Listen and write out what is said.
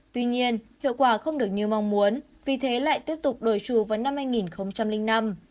tuy nhiên hiệu quả không được như mong muốn vì thế lại tiếp tục đổi trù vào năm hai nghìn năm